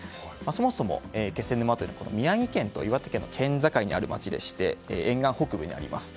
そもそも気仙沼というのは宮城県と岩手県の県境にある町で沿岸北部にあります。